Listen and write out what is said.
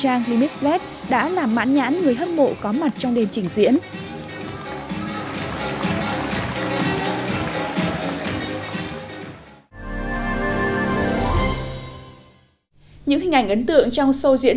trang limitless đã làm mãn nhãn người hâm mộ có mặt trong đêm trình diễn